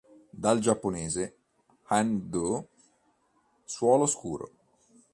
Dal giapponese "an do", "suolo scuro".